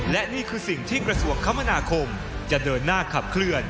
และนี่คือสิ่งที่กระทรวงคมนาคมจะเดินหน้าขับเคลื่อน